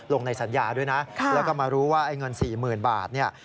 ในสัญญาด้วยนะแล้วก็มารู้ว่าไอ้เงิน๔๐๐๐บาทเนี่ย